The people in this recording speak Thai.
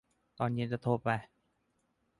ตอนเย็นจะโทรไป